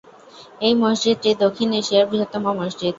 এই মসজিদটি দক্ষিণ এশিয়ার বৃহত্তম মসজিদ।